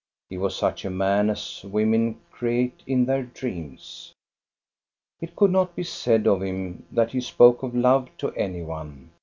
He was such a man as women create in their dreams ! It could not be said of him that he spoke of love to any one.